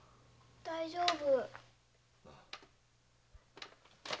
大丈夫。